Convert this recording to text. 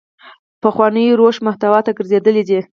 پخوانو روش محتوا ته ګرځېدل دي.